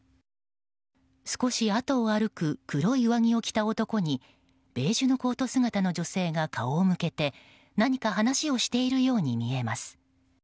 少しあとを歩く黒い上着を着た男にベージュのコート姿の女性が顔を向けて何か話をしているように見えます。